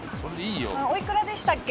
お幾らでしたっけ？